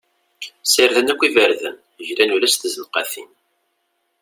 Ssarden akk iberdan, glan ula s tzenqatin.